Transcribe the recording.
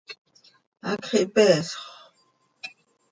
¡Hacx ihpeesxö!